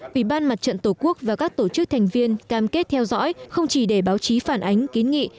ủy ban mặt trận tổ quốc và các tổ chức thành viên cam kết theo dõi không chỉ để báo chí phản ánh kiến nghị